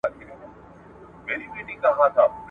صبر تریخ دی خو میوه یې خوږه ده !.